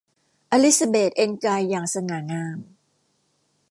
อลิซาเบธเอนกายอย่าสง่างาม